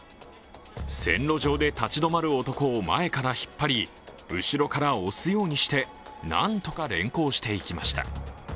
線路上で立ち止まる男を前から引っ張り、後ろから押すようにして何とか連行していきました。